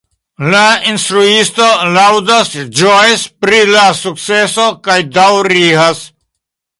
La instruisto laŭdas, ĝojas pri la sukceso kaj daŭrigas.